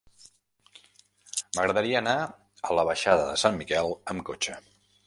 M'agradaria anar a la baixada de Sant Miquel amb cotxe.